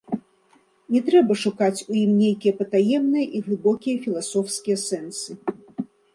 Не трэба шукаць у ім нейкія патаемныя і глыбокія філасофскія сэнсы.